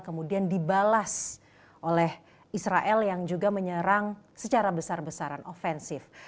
kemudian dibalas oleh israel yang juga menyerang secara besar besaran ofensif